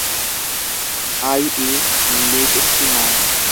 I. E. মিশস্টিনা.